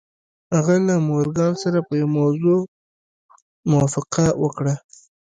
هغه له مورګان سره په یوه موضوع موافقه وکړه